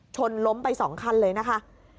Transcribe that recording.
ชนล้มไป๒คันเลยนะคะ